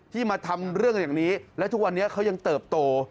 มาทำเรื่องอย่างนี้และทุกวันนี้เขายังเติบโต